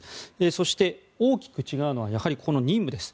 そして、大きく違うのはやはりこの任務です。